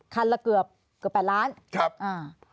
ละเกือบเกือบแปดล้านครับอ่า